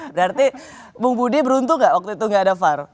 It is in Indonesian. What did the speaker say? berarti bung budi beruntung nggak waktu itu nggak ada var